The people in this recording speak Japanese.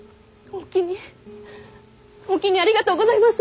おおきにありがとうございます！